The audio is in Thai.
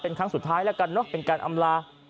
เป็นครั้งสุดท้ายแล้วกันเนอะเป็นการอำลา